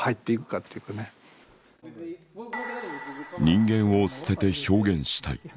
人間を捨てて表現したい。